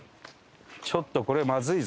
ちょっとこれまずいぞ。